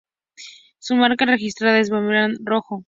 Su marca registrada es un boomerang rojo.